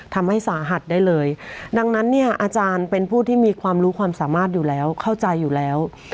ทำให้สาหัสได้เลยดังนั้นเนี่ยอาจารย์เป็นผู้ที่มีความรู้ความสามารถอยู่แล้วเข้าใจอยู่แล้ว